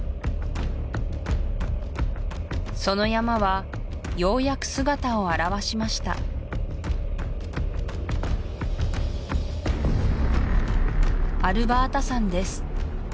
その山はようやく姿を現しましたアルバータ山です